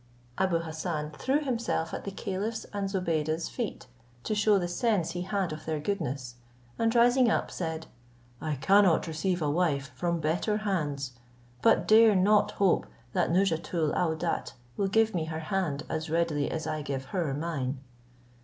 Abou Hassan threw himself at the caliph's and Zobeide's feet, to shew the sense he had of their goodness; and rising up, said, "I cannot receive a wife from better hands, but dare not hope that Nouzhatoul aouadat will give me her hand as readily as I give her mine."